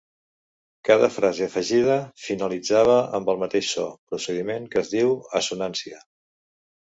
Cada frase afegida finalitzava amb el mateix so, procediment que es diu assonància.